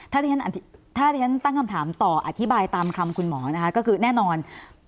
ถ้าที่ฉันตั้งคำถามต่ออธิบายตามคำคุณหมอนะคะก็คือแน่นอน